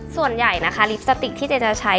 ส่วนใหญ่นะคะลิปสติกที่เจ๊จะใช้